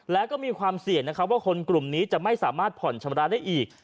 และก็มีความเสี่ยงนะครับว่าคนกลุ่มนี้จะไม่สามารถผ่อนชำระได้อีก